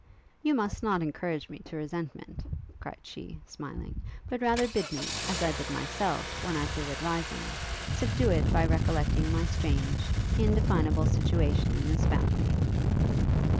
'You must not encourage me to resentment,' cried she, smiling, 'but rather bid me, as I bid myself, when I feel it rising, subdue it by recollecting my strange indefinable situation in this family!'